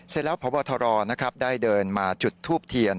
เสร็จแล้วพบทรได้เดินมาจุดทูบเทียน